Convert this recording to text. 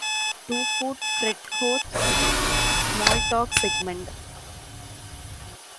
Two Foot Fred hosts "Small Talk" segment.